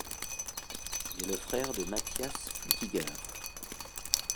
Il est le frère de Mathias Flückiger.